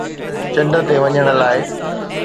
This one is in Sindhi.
چنڊ تي وڃڻ لاءِ